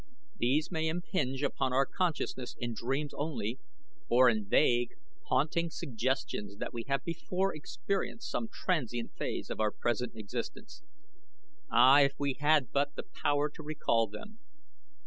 These may impinge upon our consciousness in dreams only, or in vague, haunting suggestions that we have before experienced some transient phase of our present existence. Ah, if we had but the power to recall them!